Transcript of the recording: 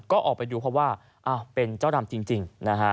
ก็ออกไปดูเพราะว่าเป็นเจ้าดำจริงนะฮะ